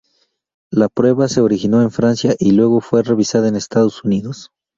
La prueba se originó en Francia, y luego fue revisada en Estados Unidos.